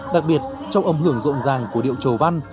đặc biệt trong âm hưởng rộn ràng của điệu trầu văn